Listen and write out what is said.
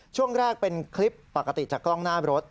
ช่วงแรกเป็นคลิปปกติจากกล้องหน้ารถ